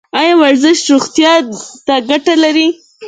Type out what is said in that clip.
ایا ورزش روغتیا ته ګټه لري؟